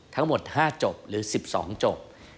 ทั้งหมด๕จบหรือ๑๒จบ